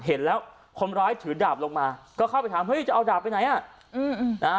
เห็นแล้วคนร้ายถือดาบลงมาก็เข้าไปถามเฮ้ยจะเอาดาบไปไหนอ่ะอืมนะฮะ